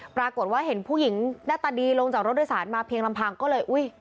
ปรากฏว่าเห็นผู้หญิงหน้าตาดีลงจากรถโดยสารมาเพียงลำพังก็เลยอุ้ย